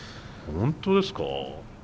本当ですか？